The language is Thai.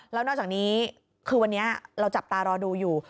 แล้วนอกจากนี้คือวันนี้เราจับตารอดูอยู่